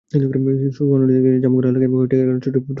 সোয়া নয়টার দিকে জামগড়া এলাকায় কয়েকটি কারখানা ছুটি ঘোষণা করা হয়।